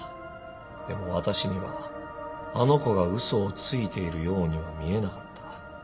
でも私にはあの子が嘘をついているようには見えなかった。